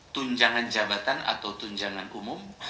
tunjangan jabatan atau tunjangan umum